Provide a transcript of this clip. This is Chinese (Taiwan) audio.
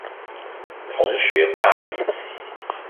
同學霸凌